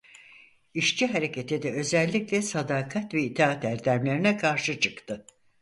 İşçi hareketi de özellikle sadakat ve itaat erdemlerine karşı çıktı.